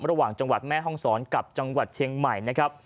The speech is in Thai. ระหว่างจังหวัดแม่ห้องศรกับจังหวัดเชียงใหม่นะครับ